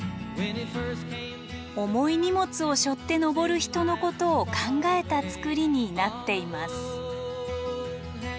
重い荷物を背負って登る人のことを考えた作りになっています。